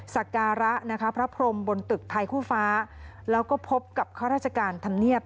สักการะนะคะพระพรมบนตึกไทยคู่ฟ้าแล้วก็พบกับข้าราชการธรรมเนียบ